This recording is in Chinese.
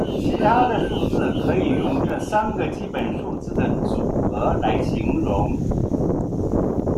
其他的数字可以用这三个基本数字的组合来形容。